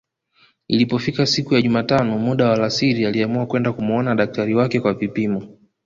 Ilipofika siku ya jumatano muda wa alasiri aliamua kwenda kumuona daktari wake kwa vipimo